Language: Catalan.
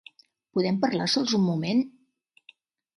Podem parlar sols un moment?